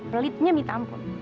pelitnya minta ampun